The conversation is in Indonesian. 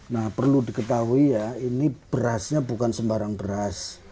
nah perlu diketahui ya ini berasnya bukan sembarang beras